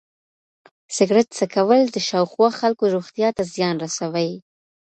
سګرټ څکول د شاوخوا خلکو روغتیا ته زیان رسوي.